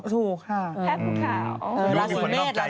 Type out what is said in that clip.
ถูกค่ะราสิเมฆราสิเมฆ